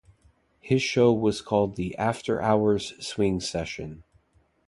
His show was called the "After-Hours Swing Session".